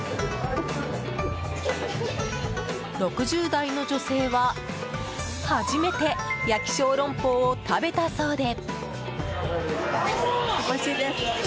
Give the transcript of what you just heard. ６０代の女性は初めて焼き小籠包を食べたそうで。